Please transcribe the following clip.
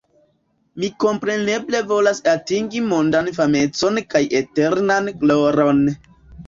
Mi kompreneble volas atingi mondan famecon kaj eternan gloron.